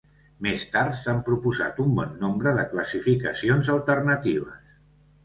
Més tard, s'han proposat un bon nombre de classificacions alternatives.